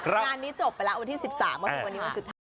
งานนี้จบไปแล้ววันที่๑๓ก็คือวันนี้วันสุดท้าย